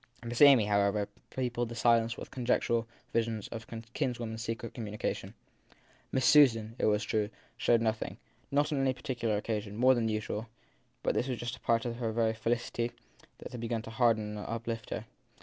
Miss Amy, however, peopled the silence with conjectural visions of her kinswoman s secret communion. Miss Susan, it was true, showed nothing, on any particular occasion, more than usual; but this was just a part of the very felicity that had begun to harden and uplift her.